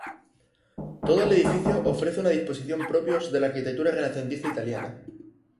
Todo el edificio ofrece una disposición propios de la arquitectura renacentista italiana.